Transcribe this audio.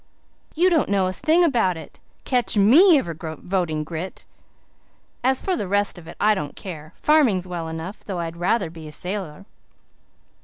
"You don't know a thing about it. Catch ME ever voting Grit! As for the rest of it I don't care. Farming's well enough, though I'd rather be a sailor."